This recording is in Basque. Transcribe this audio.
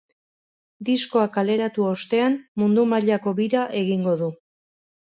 Diskoa kaleratu ostean, mundu mailako bira egingo du.